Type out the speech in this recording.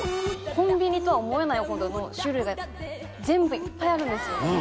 コンビニとは思えないほどの種類が全部いっぱいあるんですよ。